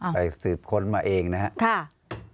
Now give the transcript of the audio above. ไปสืบค้นมาเองนะครับ